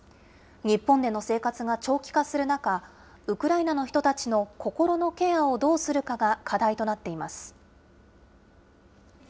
日本での生活が長期化する中、ウクライナの人たちの心のケアをどうするかが課題となっています。